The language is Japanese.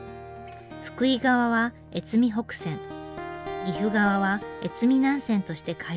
福井側は越美北線岐阜側は越美南線として開業。